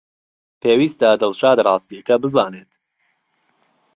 پێویستە دڵشاد ڕاستییەکە بزانێت.